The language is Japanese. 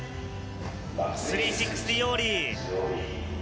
３６０オーリー。